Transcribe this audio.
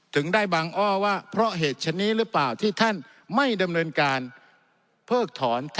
ถึงได้บังอ้อว่าเพราะเหตุชนิดนี้หรือเปล่าที่ท่านไม่ดำเนินการเพิกถอน